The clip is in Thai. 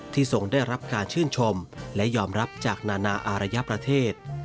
ทรงได้รับการชื่นชมและยอมรับจากนานาอารยประเทศ